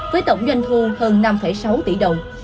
với tổng doanh thu hơn năm sáu tỷ đồng